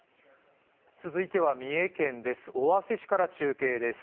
続いては三重県尾鷲市から中継です。